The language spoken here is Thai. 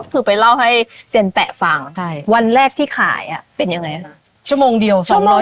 ผิดไปเล่าให้เซียนแปะฟังใช่วันแรกที่ขายอ่ะเป็นยังไง